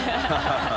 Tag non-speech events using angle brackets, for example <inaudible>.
ハハハ <laughs>